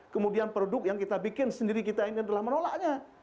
kemudian produk yang kita bikin sendiri kita ini adalah menolaknya